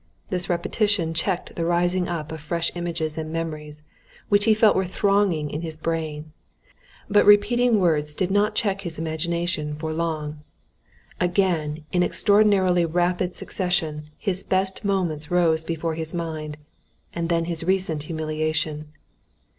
This repetition checked the rising up of fresh images and memories, which he felt were thronging in his brain. But repeating words did not check his imagination for long. Again in extraordinarily rapid succession his best moments rose before his mind, and then his recent humiliation.